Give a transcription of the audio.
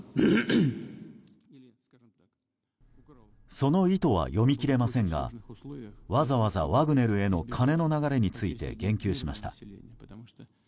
その意図は読み切れませんがわざわざ、ワグネルへの金の流れについて言及しました。